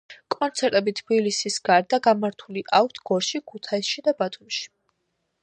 კონცერტები თბილისის გარდა გამართული აქვთ გორში, ქუთაისში და ბათუმში.